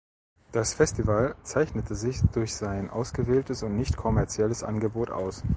Das Festival zeichnete sich durch sein ausgewähltes und nicht kommerzielles Angebot aus.